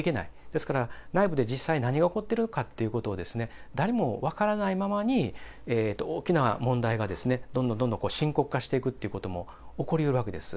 ですから、内部で実際何が起こっているかということですね、誰も分からないままに、大きな問題がどんどんどんどん深刻化していくということも起こりうるわけです。